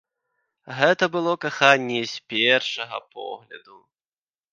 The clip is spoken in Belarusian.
Гэта было каханне з першага погляду.